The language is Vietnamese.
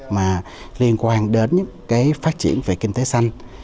mà liên quan đến cái phát triển về kinh tế xanh